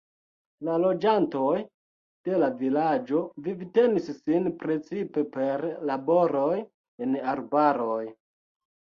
La loĝantoj de la vilaĝo vivtenis sin precipe per laboroj en arbaroj.